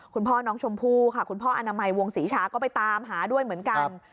คุณพ่อน้องชมพู่ค่ะคุณพ่ออนามัยวงศรีชาก็ไปตามหาด้วยเหมือนกัน